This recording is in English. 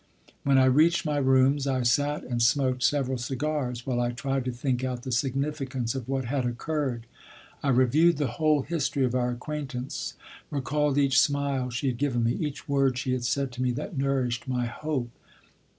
When I reached my rooms, I sat and smoked several cigars while I tried to think out the significance of what had occurred. I reviewed the whole history of our acquaintance, recalled each smile she had given me, each word she had said to me that nourished my hope.